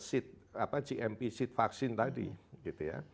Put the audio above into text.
seed apa gmp seed vaksin tadi gitu ya